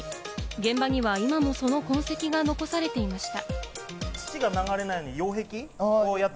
現場には今もその痕跡が残されていました。